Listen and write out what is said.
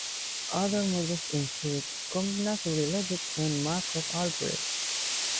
Other models include combinatory logic and Markov algorithms.